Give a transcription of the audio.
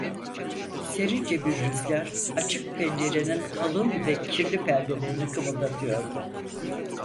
Serince bir rüzgâr açık pencerenin kalın ve kirli perdelerini kımıldatıyordu.